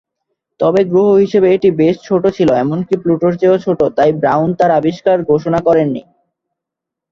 তবে গ্রহ হিসেবে এটি বেশ ছোট ছিল, এমনকি প্লুটোর চেয়েও ছোট, তাই ব্রাউন তার আবিষ্কার ঘোষণা করেননি।